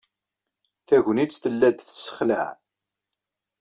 Tagnit tella-d tessexlaɛ.